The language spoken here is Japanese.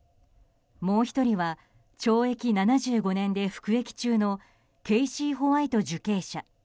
もう１人は懲役７５年で服役中のケイシー・ホワイト受刑者。